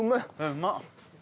うまっ！